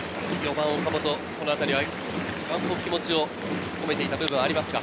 岡本、このあたりは一番気持ちを込めていた部分はありますか？